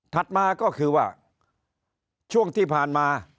มาก็คือว่าช่วงที่ผ่านมา